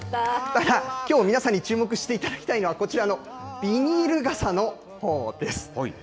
ただ、きょう皆さんに注目していただきたいのは、こちらのビニール傘のほうです。